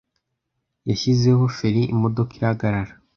Yashyizeho feri imodoka irahagarara.